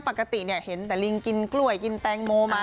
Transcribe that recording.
ปกติเห็นแต่ลิงกินกล้วยกินแตงโมมา